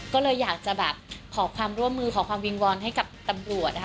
ก็เลยอยากจะแบบขอความร่วมมือขอความวิงวอนให้กับตำรวจนะคะ